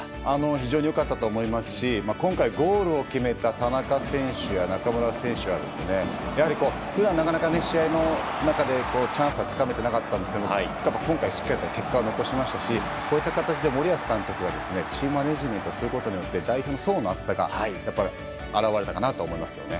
非常に良かったと思いますし今回ゴールを決めた田中選手や中村選手は普段、なかなか試合の中でチャンスはつかめていなかったんですが今回しっかりと結果を残しましたしこういった形で森保監督はチームマネジメントをすることによって大変、層の厚さが表れたかなと思いますね。